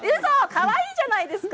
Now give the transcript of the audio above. かわいいじゃないですか。